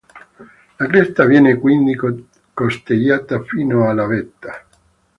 La cresta viene quindi costeggiata fino alla vetta.